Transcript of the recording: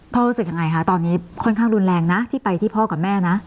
รู้สึกยังไงคะตอนนี้ค่อนข้างรุนแรงนะที่ไปที่พ่อกับแม่นะ